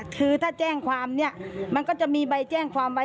คือถ้าแจ้งความเนี่ยมันก็จะมีใบแจ้งความไว้